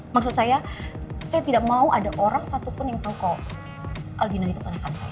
maksud saya saya tidak mau ada orang satupun yang panggung aldina itu penyakit saya